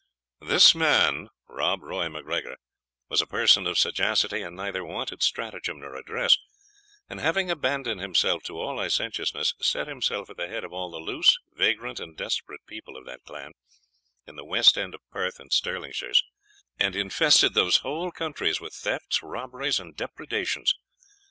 "This man (Rob Roy MacGregor) was a person of sagacity, and neither wanted stratagem nor address; and having abandoned himself to all licentiousness, set himself at the head of all the loose, vagrant, and desperate people of that clan, in the west end of Perth and Stirling shires, and infested those whole countries with thefts, robberies, and depredations.